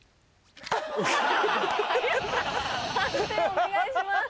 判定お願いします。